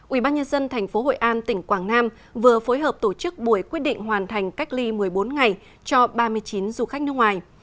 ubnd tp hội an tỉnh quảng nam vừa phối hợp tổ chức buổi quyết định hoàn thành cách ly một mươi bốn ngày cho ba mươi chín du khách nước ngoài